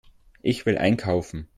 Ich will einkaufen.